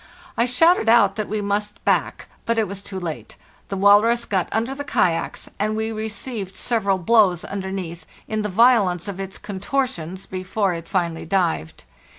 I shouted out that we must back, but it was too late: the walrus got under the kayaks, and we received several blows underneath, in the violence of its contortions, before it finally dived.